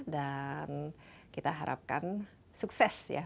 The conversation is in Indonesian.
dan kita harapkan sukses ya